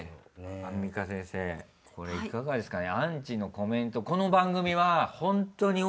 アンミカ先生これいかがですかね？